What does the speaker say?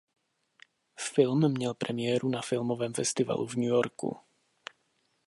Film měl premiéru na filmovém festivalu v New Yorku.